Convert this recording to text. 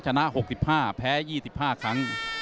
ชนะ๖๕แพ้๒๕ครั้ง